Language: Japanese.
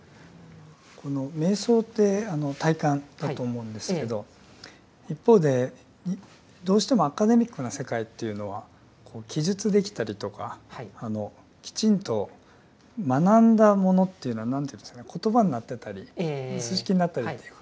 この瞑想って体感だと思うんですけど一方でどうしてもアカデミックな世界というのは記述できたりとかきちんと学んだものというのは何ていうんですかね言葉になってたり数式になってたりというか。